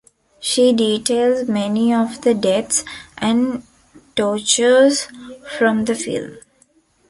She details many of the deaths and tortures from the film.